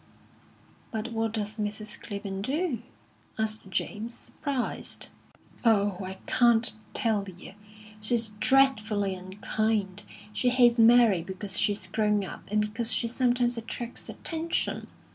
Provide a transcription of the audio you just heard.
"But what does Mrs. Clibborn do?" asked James, surprised. "Oh, I can't tell you! She's dreadfully unkind. She hates Mary because she's grown up, and because she sometimes attracts attention.